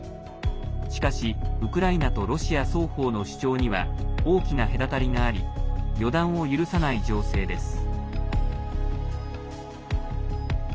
しかし、ウクライナとロシア双方の主張には大きな隔たりがあり予断を許さない情勢です。